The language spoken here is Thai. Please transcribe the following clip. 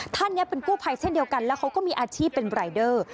ท่านนี้เป็นกู้ภัยเช่นเดียวกันแล้วเขาก็มีอาชีพเป็นรายเดอร์